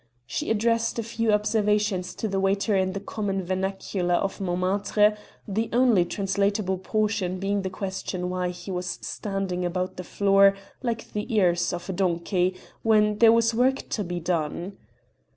She addressed a few observations to the waiter in the common vernacular of Montmartre, the only translatable portion being the question why he was standing about the floor like the ears of a donkey when there was work to be done.